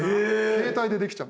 携帯でできちゃう。